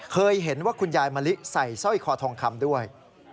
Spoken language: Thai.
เคยเห็นว่าคุณยายมะลิใส่สร้อยคอทองคำด้วย